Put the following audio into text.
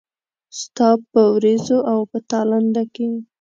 ستا په ورېځو او په تالنده کې